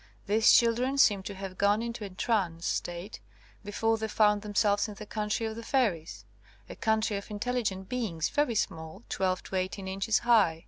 These children seem to have gone into a trance state before they found themselves in the country of the fairies — a country of intelligent beings, very small, 12 to 18 inches high.